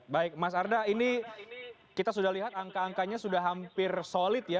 baik mas arda ini kita sudah lihat angka angkanya sudah hampir solid ya